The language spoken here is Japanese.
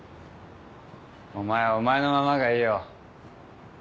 お前はお前のままがいいよ。